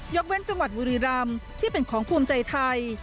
เว้นจังหวัดบุรีรำที่เป็นของภูมิใจไทย